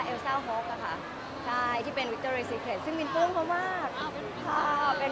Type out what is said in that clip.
เอลซ่าค่ะใช่ที่เป็นซึ่งเป็นเพิ่มเขามากเป็น